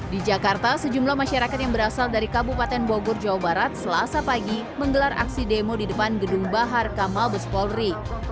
di jakarta sejumlah masyarakat yang berasal dari kabupaten bogor jawa barat selasa pagi menggelar aksi demo di depan gedung bahar kamal bespolri